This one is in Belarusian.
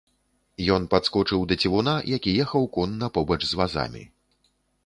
Ён падскочыў да цівуна, які ехаў конна побач з вазамі.